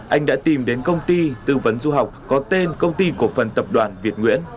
anh đã tìm đến công ty tư vấn du học có tên công ty cổ phần tập đoàn việt nguyễn